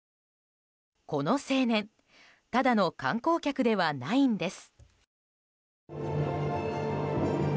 この青年ただの観光客ではないんです。